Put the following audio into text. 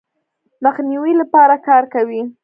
مخنیوي لپاره کار کوي.